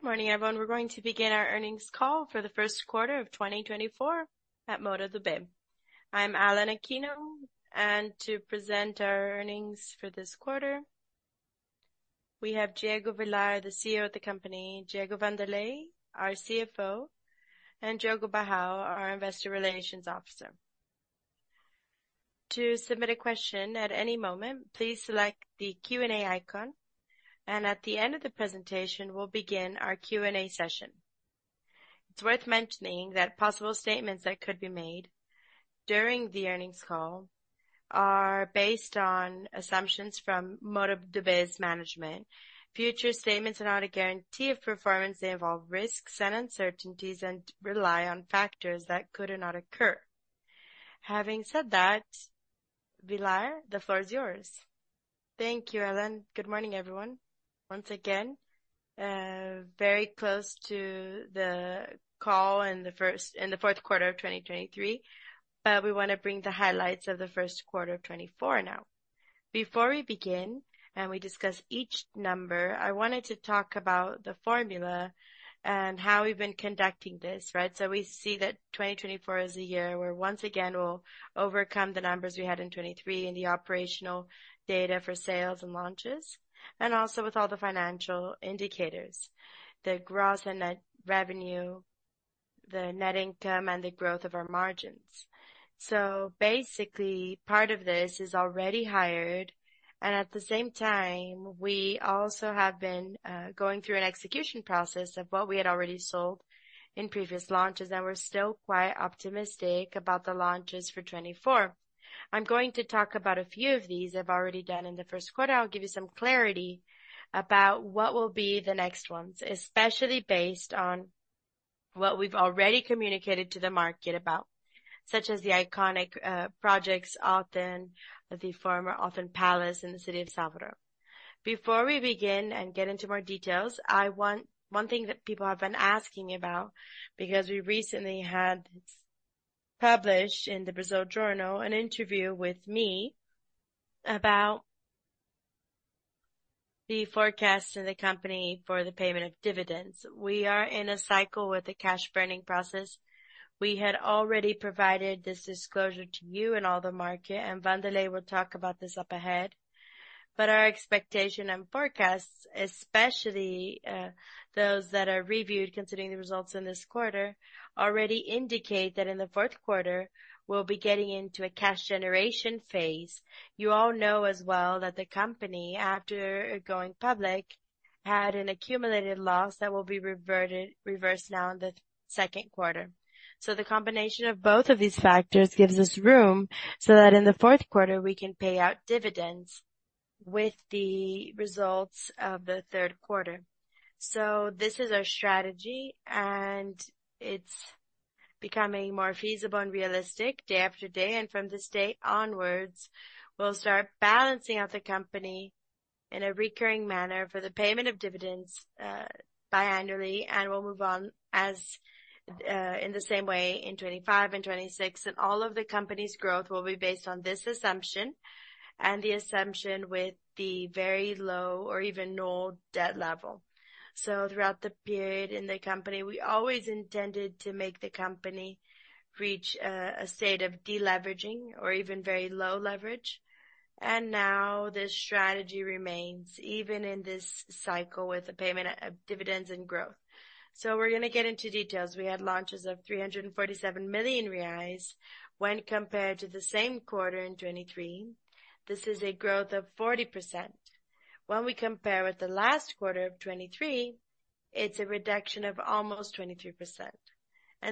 Good morning, everyone. We're going to begin our earnings call for the Q1 2024 at Moura Dubeux. I'm Allan Aquino, and to present our earnings for this quarter, we have Diego Villar, the CEO of the company, Diego Wanderley, our CFO, and Diogo Barral, our Investor Relations Officer. To submit a question at any moment, please select the Q&A icon, and at the end of the presentation, we'll begin our Q&A session. It's worth mentioning that possible statements that could be made during the earnings call are based on assumptions from Moura Dubeux's management. Future statements are not a guarantee of performance. They involve risks and uncertainties and rely on factors that could or not occur. Having said that, Villar, the floor is yours. Thank you, Allan. Good morning, everyone. Once again, very close to the call in the Q4 2023, but we wanna bring the highlights of the Q1 2024 now. Before we begin and we discuss each number, I wanted to talk about the formula and how we've been conducting this, right? We see that 2024 is a year where once again we'll overcome the numbers we had in 2023 in the operational data for sales and launches, and also with all the financial indicators, the gross and net revenue, the net income, and the growth of our margins. Basically, part of this is already higher, and at the same time, we also have been going through an execution process of what we had already sold in previous launches, and we're still quite optimistic about the launches for 2024. I'm going to talk about a few of these I've already done in the Q1. I'll give you some clarity about what will be the next ones, especially based on what we've already communicated to the market about, such as the iconic projects on the former Othon Palace in the city of Salvador. Before we begin and get into more details, I want one thing that people have been asking about because we recently had published in the Brazil Journal an interview with me about the forecast in the company for the payment of dividends. We are in a cycle with a cash burning process. We had already provided this disclosure to you and all the market, and Wanderley will talk about this up ahead. Our expectation and forecasts, especially, those that are reviewed considering the results in this quarter, already indicate that in the Q4, we'll be getting into a cash generation phase. You all know as well that the company, after going public, had an accumulated loss that will be reversed now in the Q2. The combination of both of these factors gives us room so that in the Q4, we can pay out dividends with the results of the Q3. This is our strategy, and it's becoming more feasible and realistic day after day. From this day onwards, we'll start balancing out the company in a recurring manner for the payment of dividends, biannually, and we'll move on as in the same way in 2025 and 2026. All of the company's growth will be based on this assumption and the assumption with the very low or even zero debt level. Throughout the period in the company, we always intended to make the company reach a state of deleveraging or even very low leverage. Now this strategy remains even in this cycle with the payment of dividends and growth. We're gonna get into details. We had launches of 347 million reais when compared to the same quarter in 2023. This is a growth of 40%. When we compare with the last quarter of 2023, it's a reduction of almost 23%.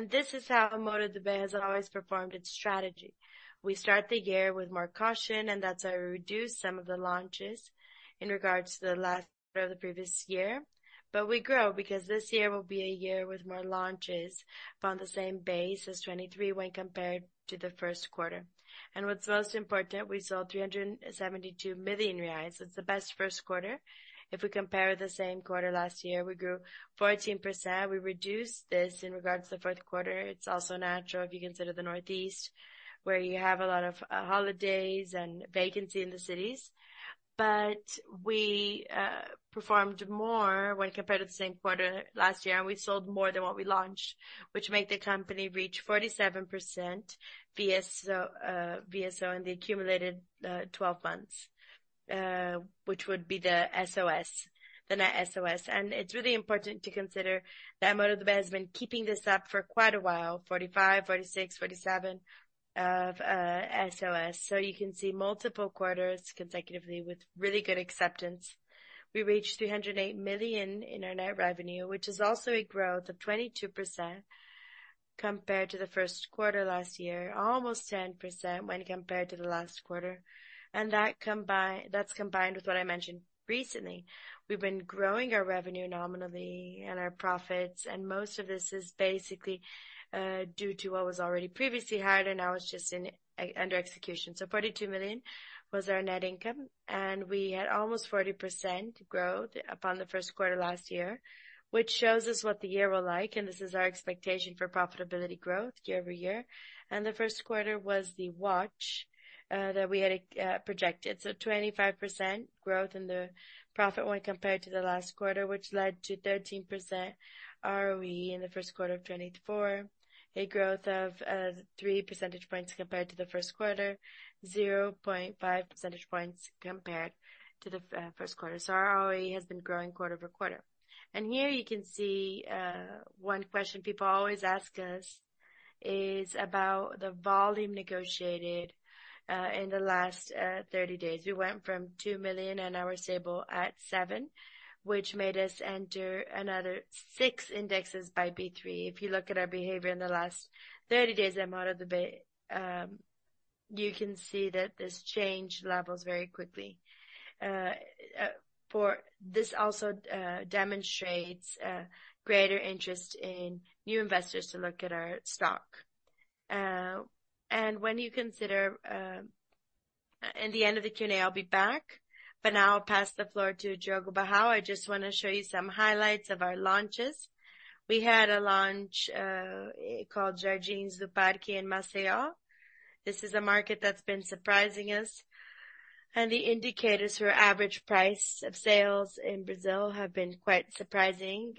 This is how Moura Dubeux has always performed its strategy. We start the year with more caution, and that's why we reduced some of the launches in regards to the last or the previous year. We grow because this year will be a year with more launches on the same base as 2023 when compared to the Q1. What's most important, we sold 372 million reais. It's the best Q1. If we compare the same quarter last year, we grew 14%. We reduced this in regards to the Q4. It's also natural if you consider the Northeast, where you have a lot of holidays and vacation in the cities. We performed more when compared to the same quarter last year, and we sold more than what we launched, which made the company reach 47% VSO in the accumulated 12 months, which would be the VSO, the net VSO. It's really important to consider that Moura Dubeux has been keeping this up for quite a while, 45%, 46%, 47% of VSO. You can see multiple quarters consecutively with really good acceptance. We reached 308 million in our net revenue, which is also a growth of 22% compared to the Q1 last year, almost 10% when compared to the last quarter. That's combined with what I mentioned recently. We've been growing our revenue nominally and our profits, and most of this is basically due to what was already previously hired, and now it's just under execution. 42 million was our net income, and we had almost 40% growth upon the Q1 last year, which shows us what the year will be like. This is our expectation for profitability growth year-over-year. The Q1 was the one that we had projected. 25% growth in the profit when compared to the last quarter, which led to 13% ROE in the Q1 2024. A growth of 3 percentage points compared to the Q1, 0.5 percentage points compared to the Q1. Our ROE has been growing quarter-over-quarter. Here you can see, one question people always ask us is about the volume negotiated in the last 30 days. We went from 2 million and now we're stable at 7 million, which made us enter another six indices on B3. If you look at our behavior in the last 30 days at Mude de Bem, you can see that this changed levels very quickly. This also demonstrates greater interest in new investors to look at our stock. In the end of the Q&A, I'll be back, but now I'll pass the floor to Diogo Barral. I just wanna show you some highlights of our launches. We had a launch called Jardins do Parque in Maceió. This is a market that's been surprising us, and the indicators for average price of sales in Brazil have been quite surprising,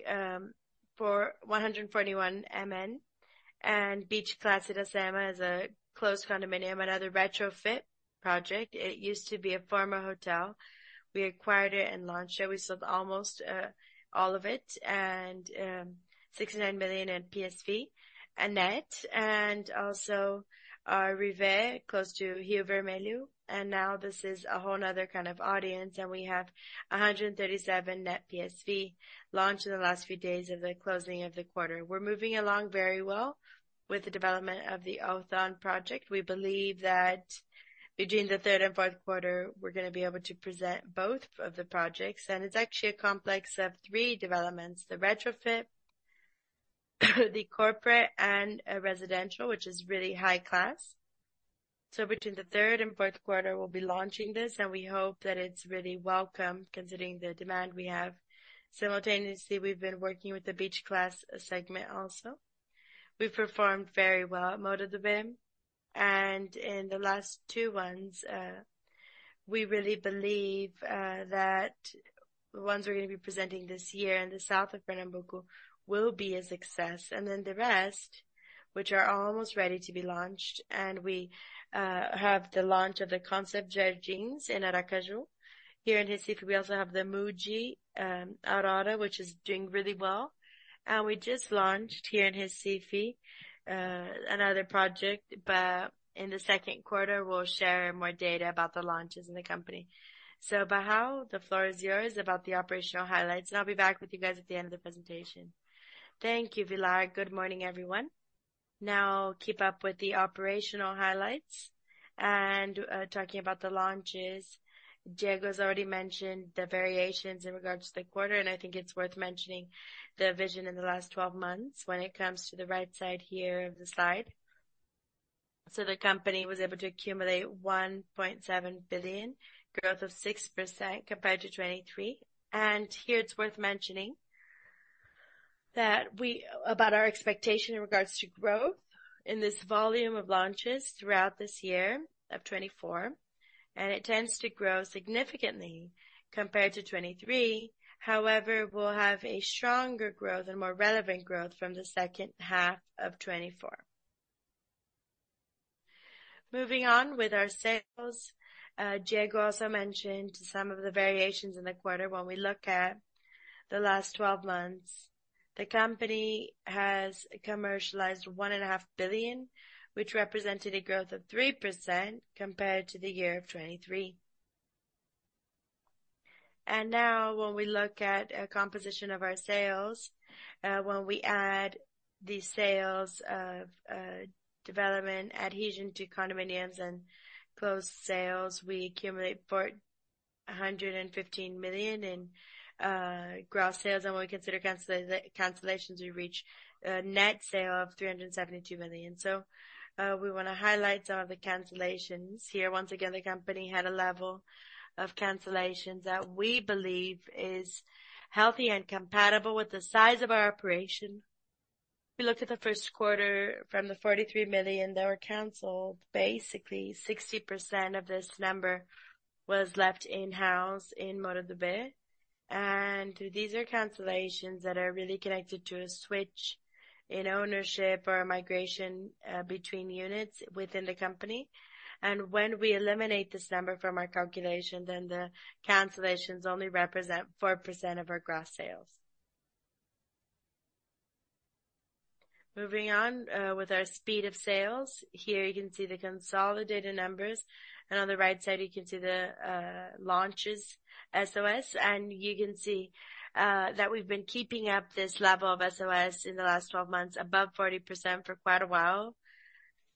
for 141 million. Beach Class in Assunção is a closed condominium, another retrofit project. It used to be a former hotel. We acquired it and launched it. We sold almost all of it and 69 million in PSV and net. Also our Rivê close to Rio Vermelho. Now this is a whole another kind of audience, and we have 137 million net PSV launched in the last few days of the closing of the quarter. We're moving along very well with the development of the Othon project. We believe that between the third and Q4, we're gonna be able to present both of the projects. It's actually a complex of three developments. The retrofit, the corporate, and a residential, which is really high class. Between the Q3 and Q4, we'll be launching this, and we hope that it's really welcome considering the demand we have. Simultaneously, we've been working with the Beach Class segment also. We've performed very Mude de Bem. In the last two ones, we really believe that the ones we're gonna be presenting this year in the south of Pernambuco will be a success. The rest, which are almost ready to be launched, and we have the launch of the Concept Jardins ,Aracaju. Here in Recife, we also have the Mundi Arara, which is doing really well. We just launched here in Recife, another project, but in the Q2 we'll share more data about the launches in the company. Barral, the floor is yours about the operational highlights, and I'll be back with you guys at the end of the presentation. Thank you, Villar. Good morning, everyone. Now keep up with the operational highlights and, talking about the launches. Diego's already mentioned the variations in regards to the quarter, and I think it's worth mentioning the VSO in the last 12 months when it comes to the right side here of the slide. The company was able to accumulate 1.7 billion, growth of 6% compared to 2023. Here it's worth mentioning that about our expectation in regards to growth in this volume of launches throughout this year of 2024, and it tends to grow significantly compared to 2023. However, we'll have a stronger growth and more relevant growth from the H2 2024. Moving on with our sales. Diego also mentioned some of the variations in the quarter. When we look at the last 12 months, the company has commercialized 1.5 billion, which represented a growth of 3% compared to the year of 2023. Now when we look at a composition of our sales, when we add the sales of development, adhesion to condominiums and post-sales, we accumulate 415 million in gross sales. When we consider cancellations, we reach a net sale of 372 million. We wanna highlight some of the cancellations here. Once again, the company had a level of cancellations that we believe is healthy and compatible with the size of our operation. We look at the Q1 from the 43 million that were canceled. Basically, 60% of this number was left in-house in Mood. These are cancellations that are really connected to a switch in ownership or a migration between units within the company. When we eliminate this number from our calculation, then the cancellations only represent 4% of our gross sales. Moving on with our speed of sales. Here you can see the consolidated numbers, and on the right side, you can see the launches VSO. You can see that we've been keeping up this level of VSO in the last 12 months above 40% for quite a while.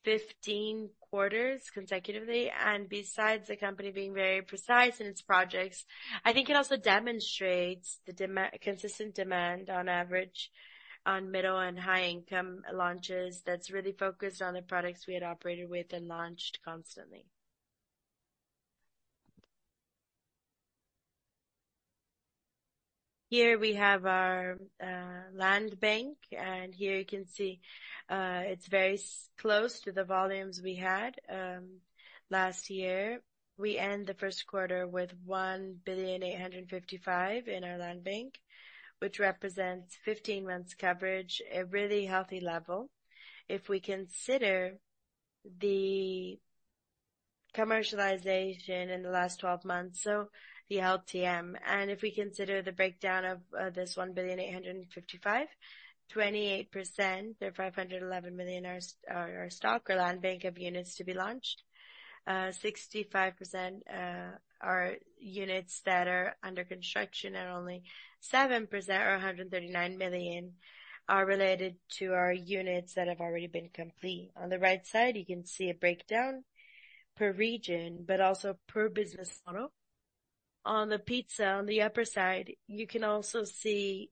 15 quarters consecutively. Besides the company being very precise in its projects, I think it also demonstrates the consistent demand on average on middle and high income launches that's really focused on the products we had operated with and launched constantly. Here we have our land bank, and here you can see it's very close to the volumes we had last year. We end the Q1 with 1.855 billion in our land bank, which represents 15 months coverage, a really healthy level if we consider the commercialization in the last 12 months, so the LTM. If we consider the breakdown of this 1.855 billion, 28% or 511 million are our stock or land bank of units to be launched. 65% are units that are under construction. Only 7% or 139 million are related to our units that have already been completed. On the right side, you can see a breakdown per region, but also per business model. On the pie, on the upper side, you can also see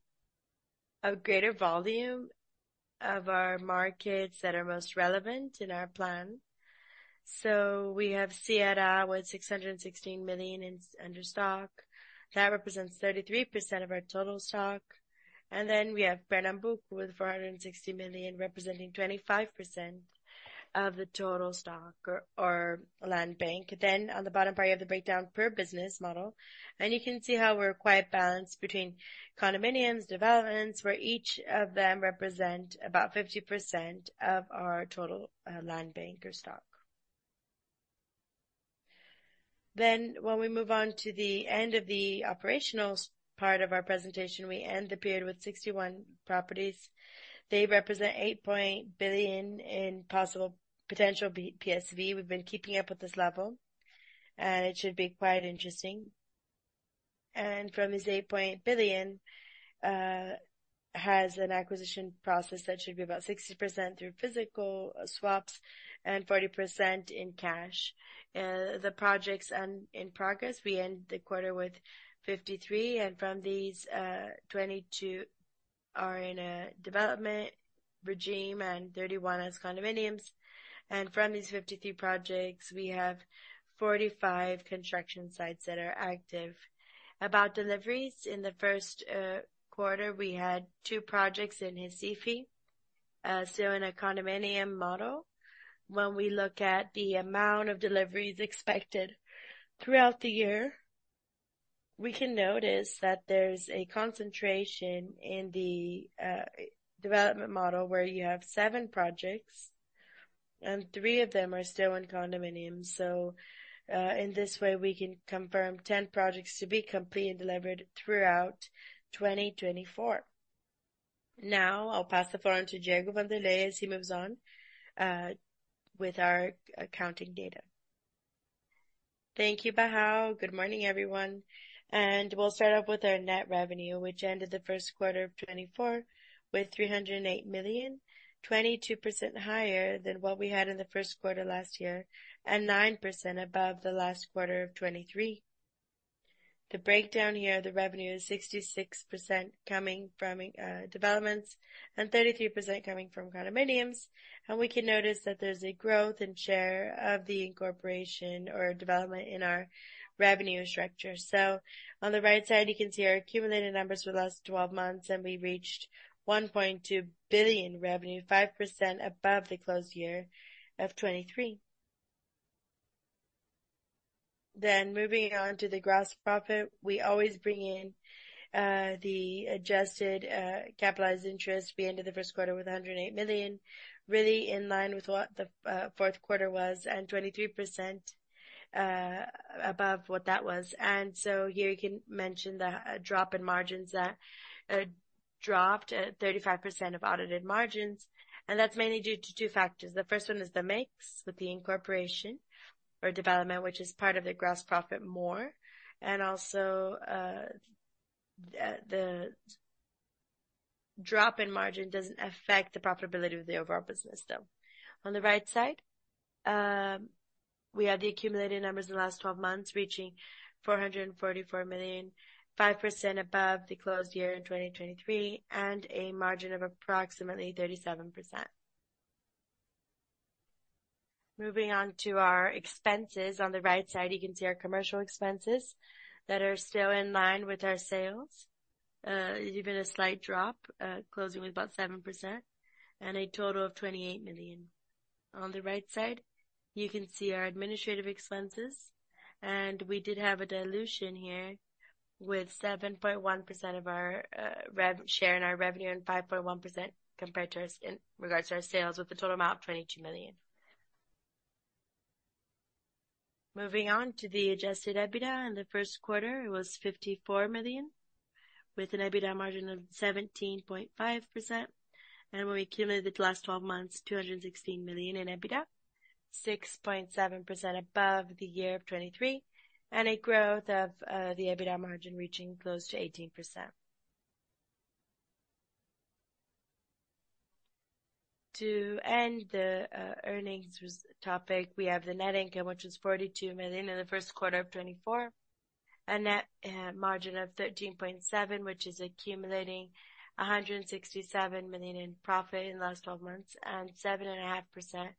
a greater volume of our markets that are most relevant in our plan. We have Ceará with 616 million under stock. That represents 33% of our total stock. Then we have Pernambuco with 460 million, representing 25% of the total stock or land bank. On the bottom part, you have the breakdown per business model, and you can see how we're quite balanced between condominiums, developments, where each of them represent about 50% of our total land bank or stock. When we move on to the end of the operational part of our presentation, we end the period with 61 properties. They represent 8 billion in possible potential PSV. We've been keeping up with this level, and it should be quite interesting. From this 8 billion, has an acquisition process that should be about 60% through physical swaps and 40% in cash. The projects in progress, we end the quarter with 53, and from these, 22 are in a development regime and 31 as condominiums. From these 53 projects, we have 45 construction sites that are active. About deliveries, in the Q1, we had two projects in Recife, so in a condominium model. When we look at the amount of deliveries expected throughout the year, we can notice that there's a concentration in the development model where you have seven projects and three of them are still in condominiums. In this way, we can confirm 10 projects to be complete and delivered throughout 2024. Now I'll pass the floor on to Diego Wanderley as he moves on with our accounting data. Thank you, Diogo Barral. Good morning, everyone. We'll start off with our net revenue, which ended the Q1 2024 with 308 million, 22% higher than what we had in the Q1 last year and 9% above the last quarter of 2023. The breakdown here, the revenue is 66% coming from developments and 33% coming from condominiums. We can notice that there's a growth in share of the incorporation or development in our revenue structure. On the right side, you can see our accumulated numbers for the last 12 months, and we reached 1.2 billion revenue, 5% above the close year of 2023. Moving on to the gross profit. We always bring in the adjusted capitalized interest. We ended the Q1 with 108 million, really in line with what the Q4 was and 23% above what that was. Here you can mention the drop in margins that dropped at 35% of audited margins, and that's mainly due to two factors. The first one is the mix with the incorporation or development, which is part of the gross profit more. Also, the drop in margin doesn't affect the profitability of the overall business though. On the right side, we have the accumulated numbers in the last 12 months reaching 444 million, 5% above the closed year in 2023, and a margin of approximately 37%. Moving on to our expenses. On the right side, you can see our commercial expenses that are still in line with our sales, even a slight drop, closing with about 7% and a total of 28 million. On the right side, you can see our administrative expenses, and we did have a dilution here with 7.1% of our share in our revenue and 5.1% compared to in regards to our sales with a total amount of 22 million. Moving on to the adjusted EBITDA. In the Q1, it was 54 million, with an EBITDA margin of 17.5%. When we accumulated the last 12 months, 216 million in EBITDA, 6.7% above the year of 2023, and a growth of the EBITDA margin reaching close to 18%. To end the earnings topic, we have the net income, which was 42 million in the Q1 2024. A net margin of 13.7%, which is accumulating 167 million in profit in the last 12 months and 7.5%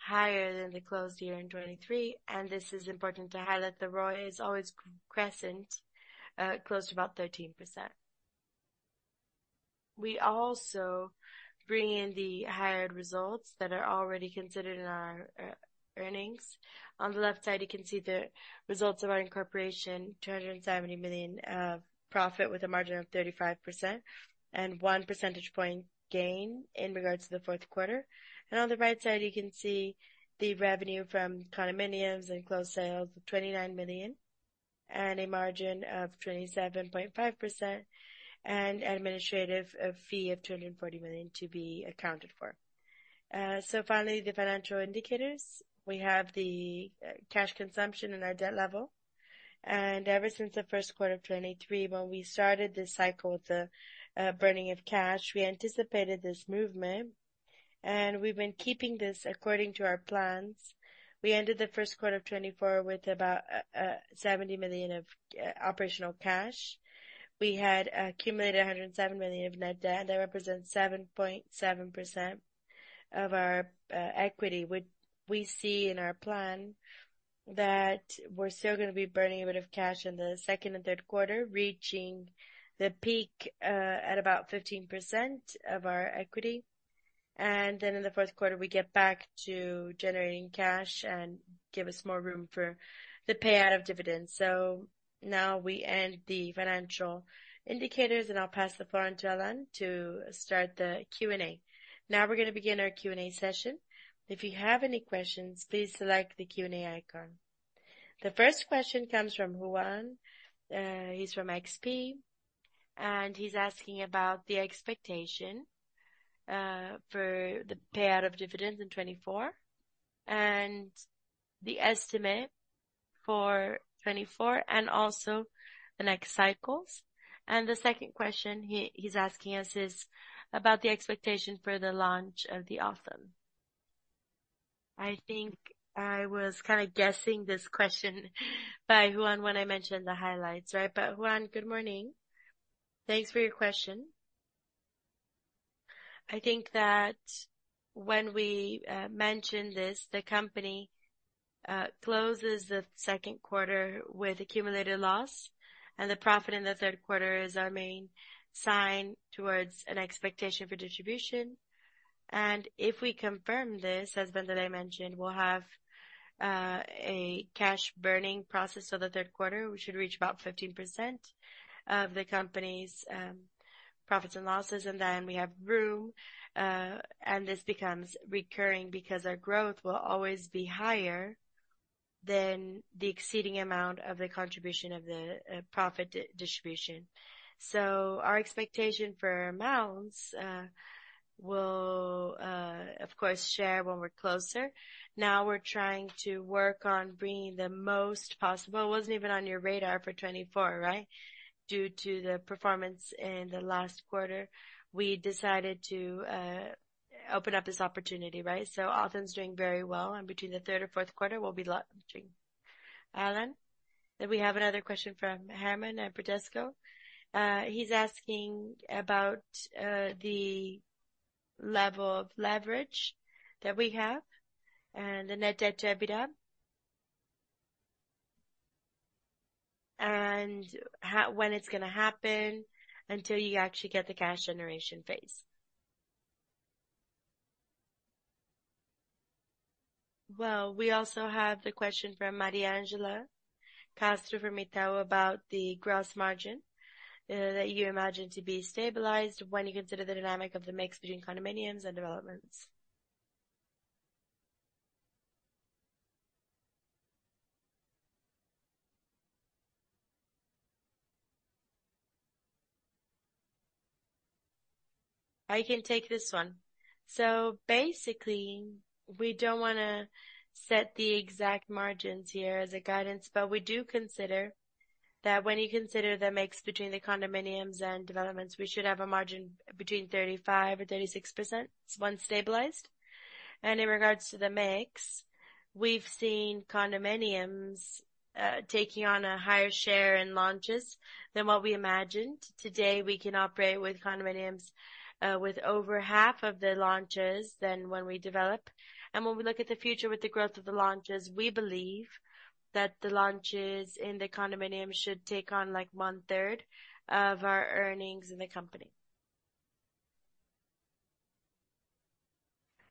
higher than the close year in 2023. This is important to highlight. The ROI is always crescent, close to about 13%. We also bring in the higher results that are already considered in our earnings. On the left side, you can see the results of our incorporation, 270 million of profit with a margin of 35% and one percentage point gain in regards to the Q4. On the right side, you can see the revenue from condominiums and closed sales of 29 million and a margin of 27.5% and administrative fee of 240 million to be accounted for. Finally, the financial indicators. We have the cash consumption and our debt level. Ever since the Q1 2023, when we started this cycle with the burning of cash, we anticipated this movement, and we've been keeping this according to our plans. We ended the Q1 of 2024 with about 70 million of operational cash. We had accumulated 107 million of net debt. That represents 7.7% of our equity. What we see in our plan that we're still gonna be burning a bit of cash in the second and Q3, reaching the peak at about 15% of our equity. In the Q4, we get back to generating cash and give us more room for the payout of dividends. Now we end the financial indicators, and I'll pass the floor on to Allan to start the Q&A. Now we're gonna begin our Q&A session. If you have any questions, please select the Q&A icon. The first question comes from Igor Altero at XP, and he's asking about the expectation for the payout of dividends in 2024 and the estimate for 2024 and also the next cycles. The second question he's asking us is about the expectation for the launch of the Othon. I think I was kind of guessing this question Igor Altero when I mentioned the highlights, right? Igor Altero, good morning. Thanks for your question. I think that when we mention this, the company closes the Q2 with accumulated loss and the profit in the Q3 is our main sign towards an expectation for distribution. If we confirm this, as Wanderley mentioned, we'll have a cash burning process for the Q3. We should reach about 15% of the company's profits and losses. We have room, and this becomes recurring because our growth will always be higher than the exceeding amount of the contribution of the profit distribution. Our expectation for amounts we'll of course share when we're closer. Now we're trying to work on bringing the most possible. It wasn't even on your radar for 2024, right? Due to the performance in the last quarter, we decided to open up this opportunity, right? Othon's doing very well, and between the third or Q4, we'll be launching. Alan, we have another question from Herman at Bradesco. He's asking about the level of leverage that we have and the net debt-to- EBITDA ratio, and when it's gonna happen until you actually get the cash generation phase. We also have the question from Mariangela Castro from Itaú BBA about the gross margin that you imagine to be stabilized when you consider the dynamic of the mix between condominiums and developments. I can take this one. Basically, we don't wanna set the exact margins here as a guidance, but we do consider that when you consider the mix between the condominiums and developments, we should have a margin between 35% or 36% once stabilized. In regards to the mix, we've seen condominiums taking on a higher share in launches than what we imagined. Today, we can operate with condominiums with over half of the launches than when we develop. When we look at the future with the growth of the launches, we believe that the launches in the condominiums should take on, like, one-third of our earnings in the company.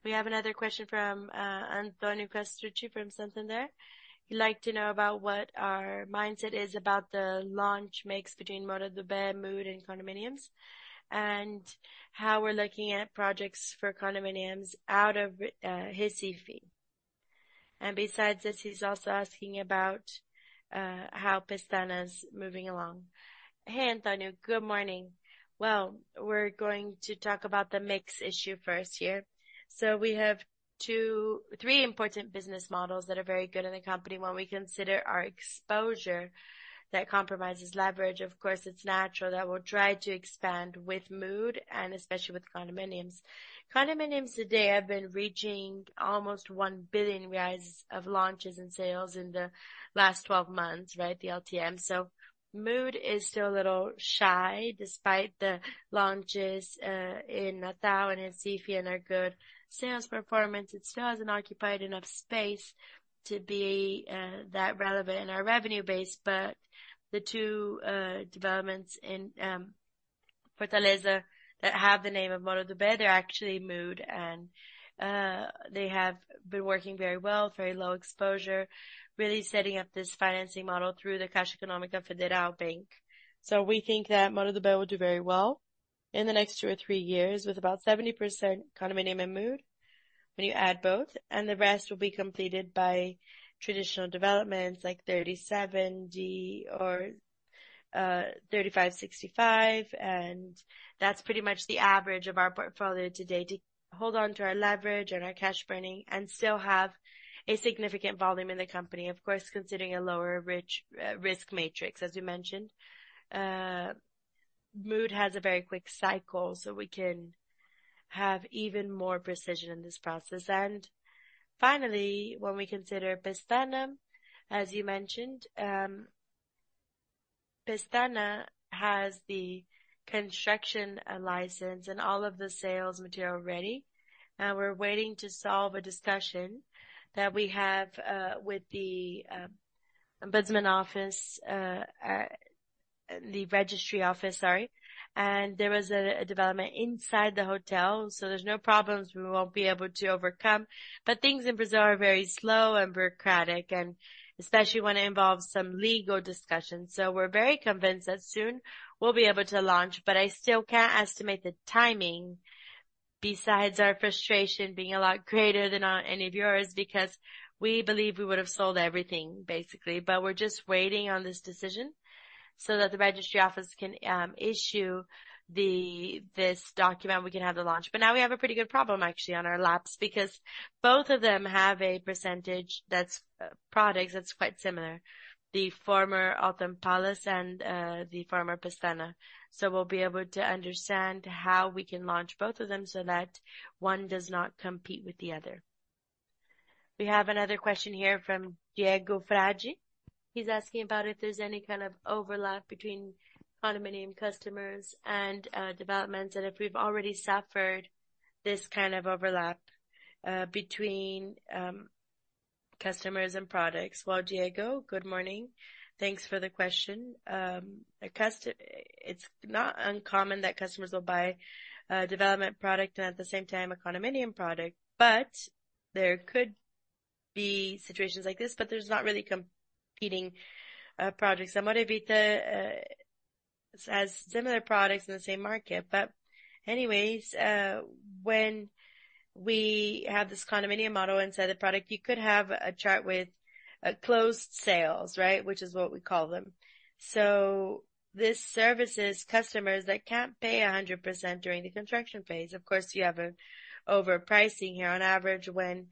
We have another question from Anthony Castrucci from Santander. He'd like to know about what our mindset is about the launch mix between model Mude de Bem, and condominiums, and how we're looking at projects for condominiums out of Recife. And besides this, he's also asking about how Pestana's moving along. Hey, Antonio. Good morning. Well, we're going to talk about the mix issue first here. We have three important business models that are very good in the company. When we consider our exposure that comprises leverage, of course, it's natural that we'll try to Mude de Bem and especially with condominiums. Condominiums today have been reaching almost 1 billion of launches and sales in the last 12 months, right? Mude de Bem is still a little shy despite the launches in Natal and in Ceará and our good sales performance. It still hasn't occupied enough space to be that relevant in our revenue base. The two developments in Fortaleza that have the name of Mude de Bem, Mude de Bem, and they have been working very low exposure, really setting up this financing model through the Caixa Econômica Federal. We think that Mude de Bem will do very well in the next two or three years with about 70% Mude de Bem when you add both, and the rest will be completed by traditional developments like 37/63 or 35/65. That's pretty much the average of our portfolio today to hold on to our leverage and our cash burning and still have a significant volume in the company. Of course, considering a lower risk matrix, as we mentioned. Moda de bem has a very quick cycle, so we can have even more precision in this process. Finally, when we consider Pestana, as you mentioned, Pestana has the construction license and all of the sales material ready. Now we're waiting to solve a discussion that we have with the Ombudsman office, the registry office, sorry. There was a development inside the hotel. So there's no problems we won't be able to overcome. Things in Brazil are very slow and bureaucratic and especially when it involves some legal discussions. We're very convinced that soon we'll be able to launch, but I still can't estimate the timing. Besides our frustration being a lot greater than any of yours, because we believe we would have sold everything, basically. We're just waiting on this decision so that the registry office can issue this document. We can have the launch. Now we have a pretty good problem actually on our laps because both of them have a percentage of products that's quite similar, the former Othon Palace and the former Pestana. We'll be able to understand how we can launch both of them so that one does not compete with the other. We have another question here from Diego Fragi. He's asking about if there's any kind of overlap between condominium customers and developments, and if we've already suffered this kind of overlap between customers and products. Well, Diego, good morning. Thanks for the question. It's not uncommon that customers will buy a development product and at the same time a condominium product. There could be situations like this, but there's not really competing products. The Moda Vita has similar products in the same market. Anyways, when we have this condominium model inside the product, you could have a chart with closed sales, right, which is what we call them. This serves customers that can't pay 100% during the construction phase. Of course, you have an overpricing here on average when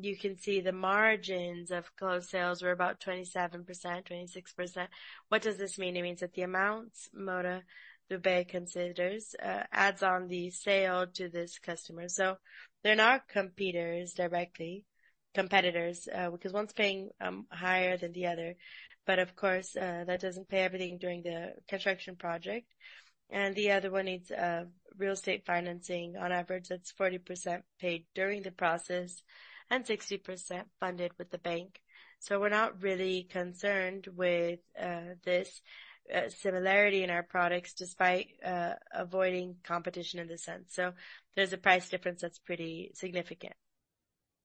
you can see the margins of closed sales were about 27%, 26%. What does this mean? It means that the amounts Mude de Bem considers adds on the sale to this customer. They're not direct competitors because one's paying higher than the other. Of course, that doesn't pay everything during the construction project. The other one needs real estate financing. On average, that's 40% paid during the process and 60% funded with the bank. We're not really concerned with this similarity in our products despite avoiding competition in the sense. There's a price difference that's pretty significant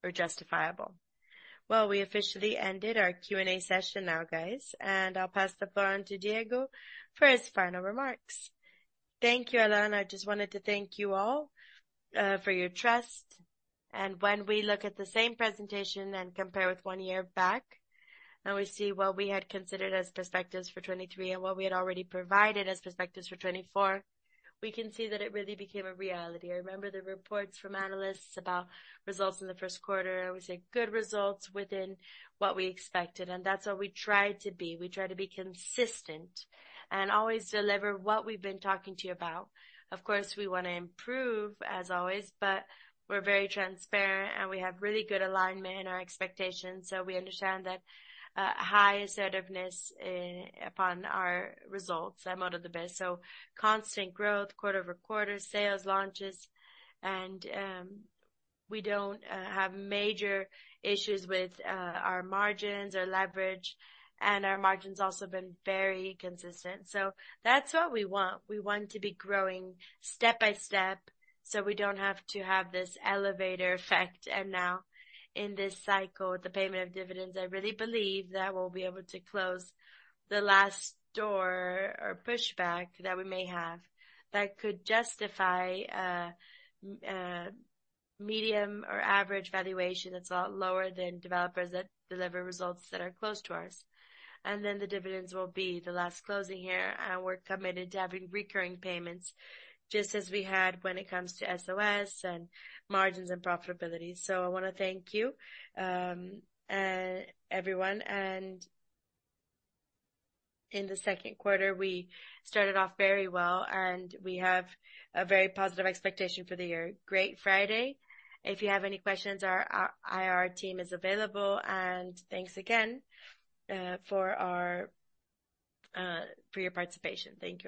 or justifiable. Well, we officially ended our Q&A session now, guys, and I'll pass the floor on to Diego for his final remarks. Thank you, Allan. I just wanted to thank you all, for your trust. When we look at the same presentation and compare with one year back, and we see what we had considered as perspectives for 2023 and what we had already provided as perspectives for 2024, we can see that it really became a reality. I remember the reports from analysts about results in the Q1. We said good results within what we expected, and that's what we tried to be. We tried to be consistent and always deliver what we've been talking to you about. Of course, we wanna improve as always, but we're very transparent, and we have really good alignment in our expectations. We understand that, high assertiveness, upon our results at Mude de Bem. Constant growth quarter-over-quarter, sales launches, and we don't have major issues with our margins or leverage, and our margins also been very consistent. That's what we want. We want to be growing step by step, so we don't have to have this elevator effect. Now in this cycle with the payment of dividends, I really believe that we'll be able to close the last door or pushback that we may have that could justify a medium or average valuation that's a lot lower than developers that deliver results that are close to ours. Then the dividends will be the last closing here, and we're committed to having recurring payments just as we had when it comes to VSO and margins and profitability. I wanna thank you, everyone. In the Q2, we started off very well, and we have a very positive expectation for the year. Have a great Friday. If you have any questions, our IR team is available. Thanks again for your participation. Thank you all.